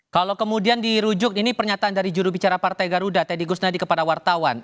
kalau kemudian dirujuk ini pernyataan dari jurubicara partai garuda teddy gusnadi kepada wartawan